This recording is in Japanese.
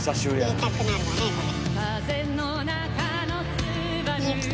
言いたくなるわねこれ。